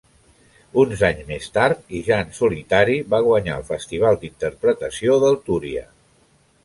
Uns anys més tard, i ja en solitari, va guanyar el Festival d'Interpretació del Túria.